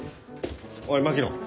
おい槙野